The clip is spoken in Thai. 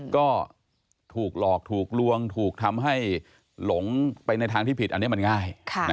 ก็ถูกหลอกถูกลวงถูกทำให้หลงไปในทางที่ผิดอันนี้มันง่าย